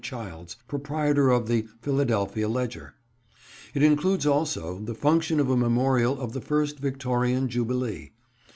Childs, proprietor of the Philadelphia Ledger. It includes also the function of a memorial of the first Victorian Jubilee.